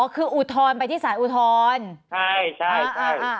อ๋อคืออุทธรไปที่สารอุทธรใช่ใช่ใช่อ่าอ่าอ่า